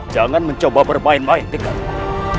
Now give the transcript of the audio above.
jangan mencoba bermain main di kantor